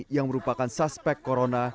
yang merupakan suspek corona